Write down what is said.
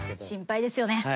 「心配ですよね」